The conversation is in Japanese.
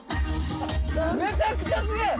めちゃくちゃすげえ！